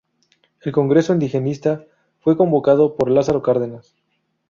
El congreso indigenista fue convocado por Lázaro Cárdenas.